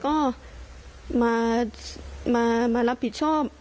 ก็มารับผิดชอบ